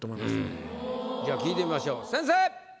じゃあ聞いてみましょう先生！